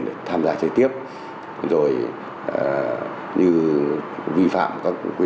để tham gia chơi tiếp rồi như vi phạm các quyền